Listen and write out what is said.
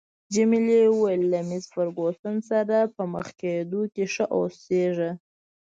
جميلې وويل: له مېس فرګوسن سره په مخ کېدو کې ښه اوسیږه.